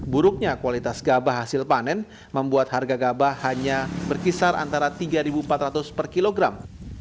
buruknya kualitas gabah hasil panen membuat harga gabah hanya berkisar antara rp tiga empat ratus per kilogram